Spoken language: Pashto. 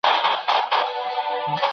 ایا دا ممکنه ده چي هر څه په شک وڅېړل سي؟